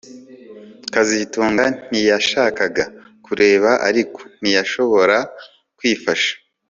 kazitunga ntiyashakaga kureba ariko ntiyashobora kwifasha